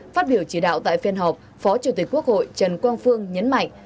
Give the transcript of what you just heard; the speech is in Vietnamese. phát biểu chỉ đạo tại phiên họp phó chủ tịch quốc hội trần quang phương nhấn mạnh